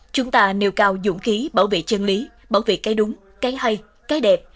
chúng ta nêu cao dũng khí bảo vệ chân lý bảo vệ cái đúng cái hay cái đẹp